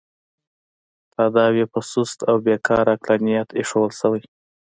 تاداو یې په سست او بې کاره عقلانیت اېښودل شوی.